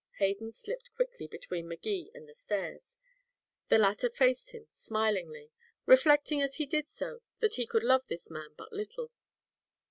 Hayden slipped quickly between Magee and the stairs. The latter faced him smilingly, reflecting as he did so that he could love this man but little.